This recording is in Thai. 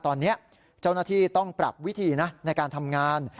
ตอนนี้เจ้าหน้าที่ต้องปรับวิธีนะในการทำงาน